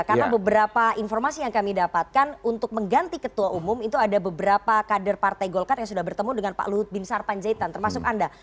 karena beberapa informasi yang kami dapatkan untuk mengganti ketua umum itu ada beberapa kader partai golkar yang sudah bertemu dengan pak luhut bin sarpan zaitan termasuk anda